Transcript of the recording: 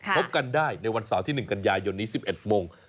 พบกันได้ในวันเสาร์ที่๑กันยายนนี้๑๑โมง